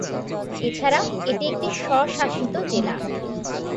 এছাড়াও এটি একটি স্বশাসিত জেলা।